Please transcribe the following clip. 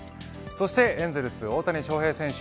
そしてエンゼルス、大谷翔平選手